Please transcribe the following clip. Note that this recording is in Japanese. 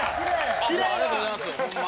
ありがとうございますホンマ。